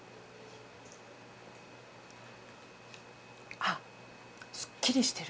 あすっきりしてる。